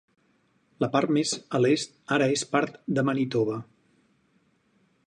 La part més a l'est ara és part de Manitoba.